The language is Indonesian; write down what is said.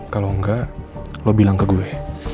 kalau enggak lo bilang ke gue